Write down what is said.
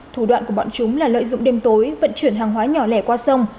thủ đoạn của bọn chúng là lợi dụng đêm tối vận chuyển hàng hóa nhỏ lẻ qua sông